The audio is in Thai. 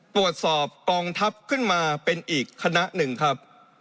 ตรวจสอบกองทัพขึ้นมาเป็นอีกคณะหนึ่งครับ